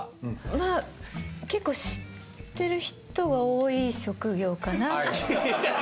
まぁ結構知ってる人が多い職業かなと。